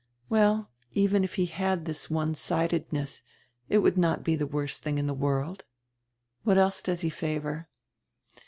"Well, even if he had this one sidedness it would not be the worst tiring in the world. What else does he favor?"